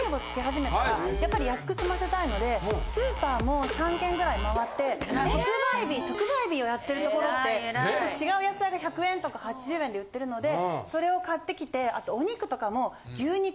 やっぱり安く済ませたいのでスーパーも３軒ぐらい回って特売日をやってるところって違う野菜が１００円とか８０円で売ってるのでそれを買ってきてあとお肉とかも。